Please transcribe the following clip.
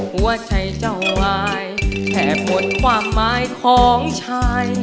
หัวใจเจ้าวายแค่พูดความหมายของชายชาติ